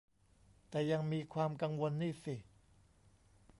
แต่ยังมีความกังวลนี่สิ